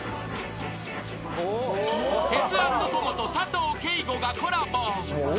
［テツａｎｄトモと佐藤景瑚がコラボ］